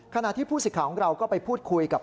ขณะที่ผู้สิทธิ์ของเราก็ไปพูดคุยกับ